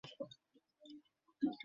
ক্লান্ত লাগে আর অনেক ঘাম হয়।